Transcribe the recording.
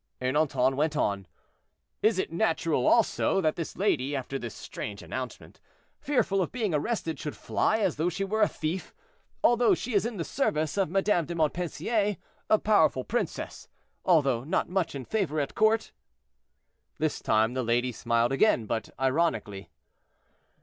Ernanton went on. "Is it natural also that this lady, after this strange announcement, fearful of being arrested, should fly as though she were a thief, although she is in the service of Madame de Montpensier, a powerful princess, although not much in favor at court?" This time the lady smiled again, but ironically.